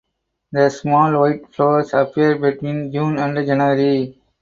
The small white flowers appear between June and January.